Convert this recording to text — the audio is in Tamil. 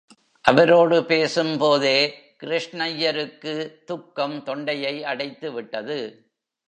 அவரோடு பேசும்போதே கிருஷ்ணய்யருக்கு துக்கம் தொண்டையை அடைத்துவிட்டது.